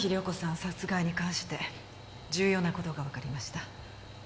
殺害に関して重要な事がわかりました。